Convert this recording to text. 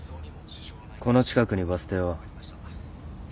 この近くにバス停は？えっ？